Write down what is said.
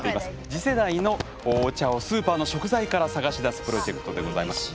次世代のお茶をスーパーの食材から探し出すプロジェクトです。